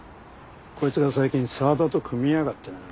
こいつが最近沢田と組みやがってな。